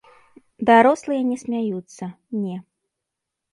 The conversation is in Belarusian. Дарослыя не смяюцца, не.